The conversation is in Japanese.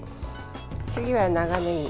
次は長ねぎ。